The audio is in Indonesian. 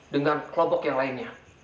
dengan kelompok yang lainnya